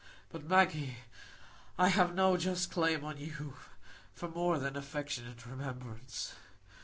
But, Maggie, I have no just claim on you for more than affectionate remembrance.